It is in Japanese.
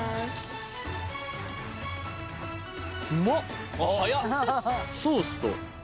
うまっ！